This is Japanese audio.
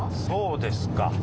そうですか。